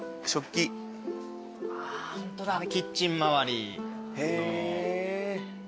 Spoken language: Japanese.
キッチン周りの。